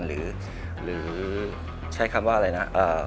หรือใช้คำว่าอะไรนะ